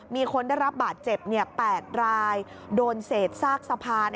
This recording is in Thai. มีคนได้รับบาดเจ็บ๘รายโดนเศษซากสะพาน